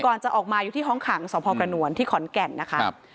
ก่อนจะออกมาอยู่ที่ห้องขังสพกระนวลที่ขอนแก่นนะคะ